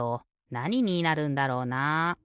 なにになるんだろうな？